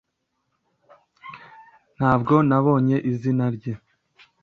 ntabwo nabonye izina rye